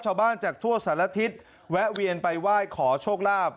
ชาวบ้านจากทั่วสันละทิศแวะเวียนไปไหว้ขอโชคลาภ